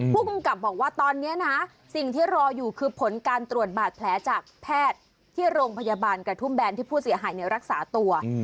ผู้กำกับบอกว่าตอนนี้นะสิ่งที่รออยู่คือผลการตรวจบาดแผลจากแพทย์ที่โรงพยาบาลกระทุ่มแบนที่ผู้เสียหายรักษาตัว